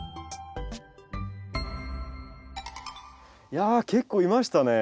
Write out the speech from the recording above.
いや結構いましたね。